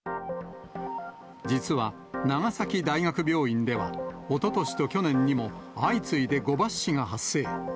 実は、長崎大学病院ではおととしと去年にも、相次いで誤抜歯が発生。